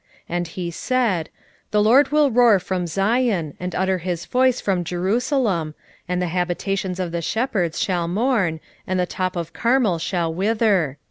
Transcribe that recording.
1:2 And he said, The LORD will roar from Zion, and utter his voice from Jerusalem; and the habitations of the shepherds shall mourn, and the top of Carmel shall wither.